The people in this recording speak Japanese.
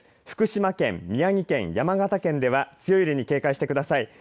福島県、宮城県、山形県では強い揺れに警戒してください。